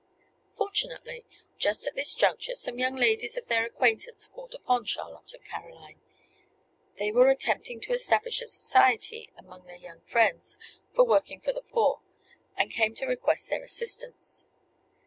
Fortunately, just at this juncture some young ladies of their acquaintance called upon Charlotte and Caroline. They were attempting to establish a society among their young friends for working for the poor, and came to request their assistance.